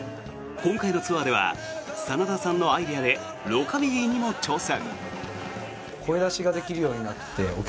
今回のツアーでは真田さんのアイデアでロカビリーにも挑戦。